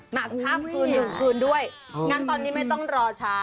หนักข้ามคืนหนึ่งคืนด้วยงั้นตอนนี้ไม่ต้องรอช้า